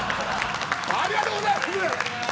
「ありがとうございます！